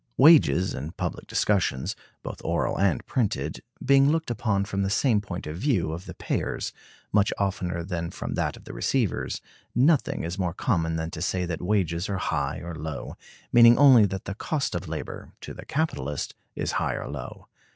Wages, in public discussions, both oral and printed, being looked upon from the same point of view of the payers, much oftener than from that of the receivers, nothing is more common than to say that wages are high or low, meaning only that the cost of labor [to the capitalist] is high or low.